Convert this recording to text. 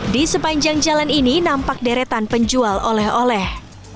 di sepanjang jalan ini nampak deretan penjual oleh oleh